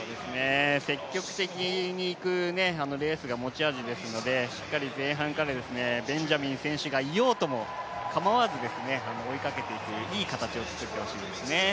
積極的にいくレースが持ち味ですのでしっかり前半からベンジャミン選手がいようとも構わず、追いかけて、いい形を作れればいいですね。